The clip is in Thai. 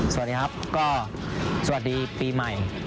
สวัสดีครับก็สวัสดีปีใหม่